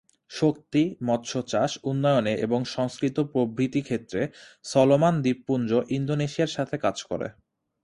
শক্তি, মৎস্য চাষ, উন্নয়নে এবং সংস্কৃত প্রভৃতি ক্ষেত্রে, সলোমন দ্বীপপুঞ্জ, ইন্দোনেশিয়ার সাথে কাজ করে।